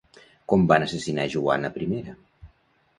Com van assassinar Joana I?